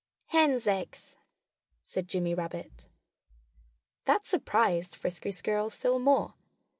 "Hens' eggs!" said Jimmy Rabbit. That surprised Frisky Squirrel still more.